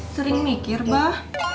sering mikir bah